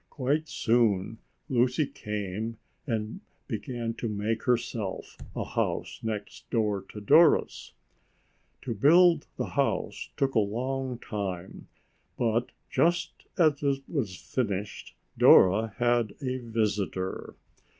Quite soon Lucy came and began to make herself a house next door to Dora's. To build the house took a long time, but just as it was finished, Dora had a visitor.